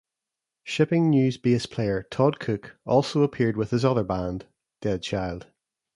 Shipping News bass player Todd Cook also appeared with his other band, Dead Child.